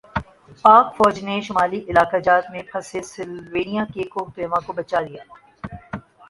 پاک فوج نے شمالی علاقہ جات میں پھنسے سلوینیا کے کوہ پیما کو بچالیا